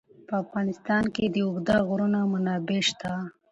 په افغانستان کې د اوږده غرونه منابع شته.